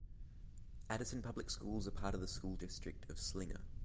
Addison Public Schools are part of the School District of Slinger.